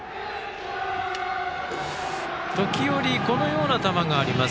時折、このような球があります。